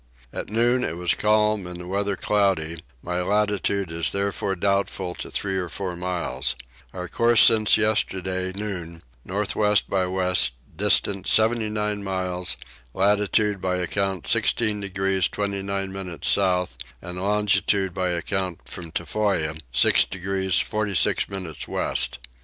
At noon it was calm and the weather cloudy; my latitude is therefore doubtful to 3 or 4 miles. Our course since yesterday noon north west by west, distance 79 miles; latitude by account 16 degrees 29 minutes south, and longitude by account from Tofoa 6 degrees 46 minutes west.